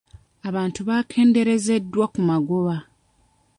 Abantu bakendeerezeddwa ku magoba.